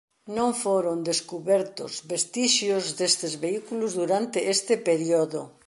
Non foron descubertos vestixios destes vehículos durante este período.